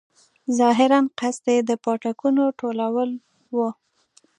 ظاهراً قصد یې د پاټکونو ټولول وو.